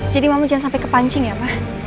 jadi mama jangan sampai kepancing ya ma